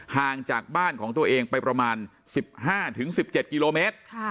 ห่างจากบ้านของตัวเองไปประมาณ๑๕๑๗กิโลเมตร